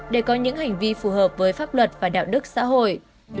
để có những hành vi phù hợp với pháp luật và đạo đức xã hội